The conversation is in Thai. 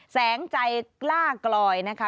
แสงใจกล้ากลอยนะคะ